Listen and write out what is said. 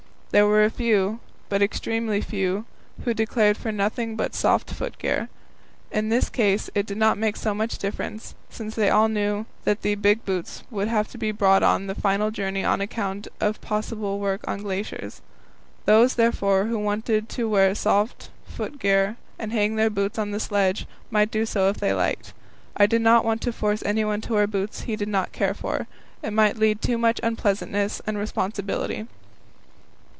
There were a few but extremely few who declared for nothing but soft foot gear. In this case it did not make so much difference, since they all knew that the big boots would have to be brought on the final journey on account of possible work on glaciers. Those, therefore, who wanted to wear soft foot gear, and hang their boots on the sledge, might do so if they liked. I did not want to force anyone to wear boots he did not care for; it might lead to too much unpleasantness and responsibility.